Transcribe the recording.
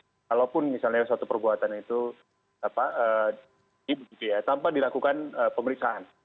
walaupun misalnya suatu perbuatan itu tanpa dilakukan pemeriksaan